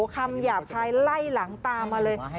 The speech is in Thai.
คำหยาบคายไล่หลังตามมาเลย